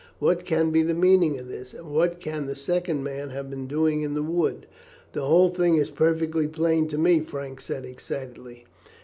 What can be the meaning of this, and what can the second man have been doing in the wood?" "The whole thing is perfectly plain to me," Frank said excitedly.